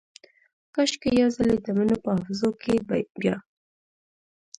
کاشکي یو ځلې دمڼو په حافظو کې بیا